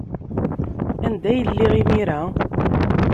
Anda ay lliɣ imir-a?